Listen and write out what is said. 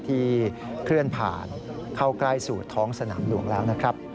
เคลื่อนผ่านเข้าใกล้สู่ท้องสนามหลวงแล้วนะครับ